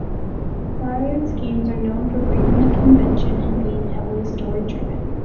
Kyratzes' games are known for breaking with convention and being heavily story-driven.